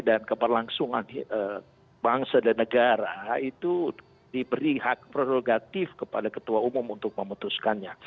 dan keperlangsungan bangsa dan negara itu diberi hak prerogatif kepada ketua umum untuk memutuskannya